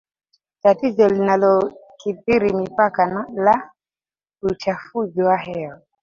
tatizo linalokithiri mipaka la uchafuzi wa hewa